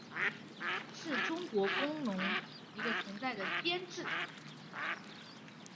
是中国工农红军曾经存在的一个方面军级编制。